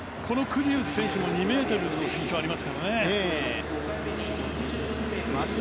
このグジウス選手も２ｍの身長があります。